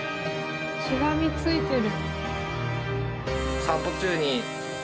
しがみついてる。